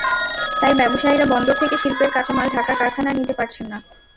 তাই ব্যবসায়ীরা বন্দর থেকে শিল্পের কাঁচামাল ঢাকার কারখানায় নিতে পারছেন না।